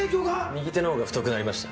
右手の方が太くなりました。